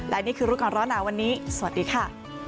และนี่คือรู้ก่อนร้อนหนาวันนี้สวัสดีค่ะ